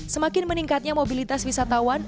semakin meningkatnya mobilitas wisatawan